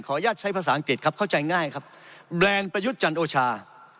อนุญาตใช้ภาษาอังกฤษครับเข้าใจง่ายครับแบรนด์ประยุทธ์จันโอชา